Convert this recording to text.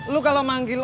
lu kalau manggil